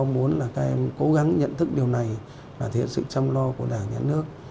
các em cố gắng nhận thức điều này và thể hiện sự chăm lo của đảng nhà nước